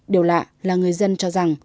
điều lạ là người dân cho rằng